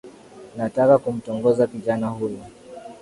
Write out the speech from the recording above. Nataka kumtongoza kijana huyo